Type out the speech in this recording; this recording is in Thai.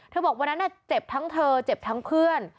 บอกวันนั้นเจ็บทั้งเธอเจ็บทั้งเพื่อน